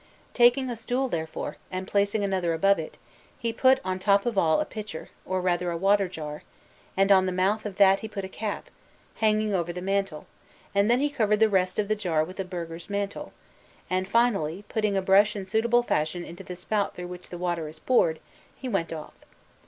Taking a stool, therefore, and placing another above it, he put on top of all a pitcher, or rather a water jar, and on the mouth of that he put a cap, hanging over the handle, and then he covered the rest of the jar with a burgher's mantle, and finally, putting a brush in suitable fashion into the spout through which the water is poured, he went off.